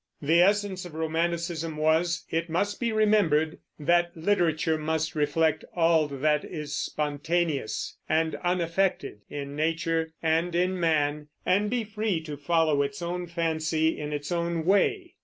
The essence of Romanticism was, it must be remembered, that literature must reflect all that is spontaneous and unaffected in nature and in man, and be free to follow its own fancy in its own way.